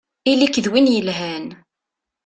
Ili-k d win yelhan!